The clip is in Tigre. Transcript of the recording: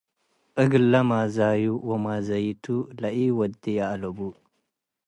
እግል ለማዛዩ ወማዛይቱ ለኢወድየ አለቡ ።